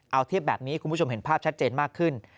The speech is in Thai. เอาเทียบแบบนี้คุณผู้ชมเห็นภาพชัดเจนมากขึ้น